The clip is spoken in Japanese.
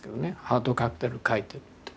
「『ハートカクテル』描いてる」って。